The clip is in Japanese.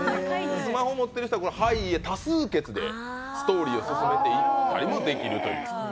スマホを持っている人は「はい」、「いいえ」多数決でストーリーを進めていくことができる。